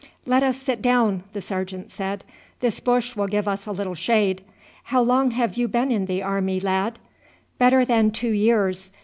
"Let us sit down," the sergeant said; "this bush will give us a little shade. How long have you been in the army, lad?" "Better than two years.